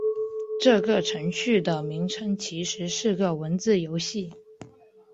这个程序的名称其实是个文字游戏。